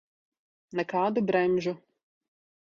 Nekādu bremžu.